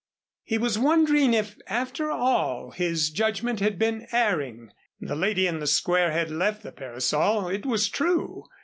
He was wondering if after all, his judgment had been erring. The lady in the Square had left the parasol, it was true.